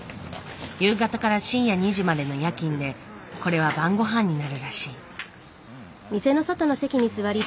夕方から深夜２時までの夜勤でこれは晩ごはんになるらしい。